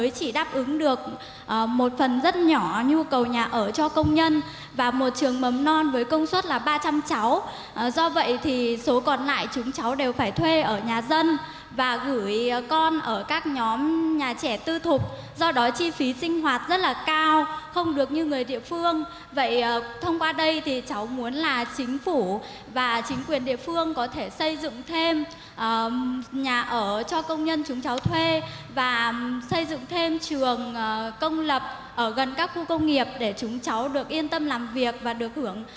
chị phạm thị khuyên công ty trách nhiệm hữu hạn canong việt nam thành phố hà nội đề nghị chính phủ và chính quyền địa phương tạo điều kiện xây dựng nhiều nhà ở cho công nhân thuê nhiều trường công lập gần các khu công nghiệp để công nhân áp dụng